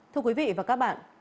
thưa quý vị và các bạn